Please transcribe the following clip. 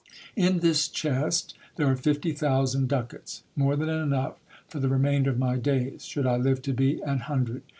In this chest there are fifty thousand duca ts ; more than enough for the remainder of my days, should I live to be an hundred